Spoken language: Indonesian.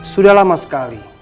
sudah lama sekali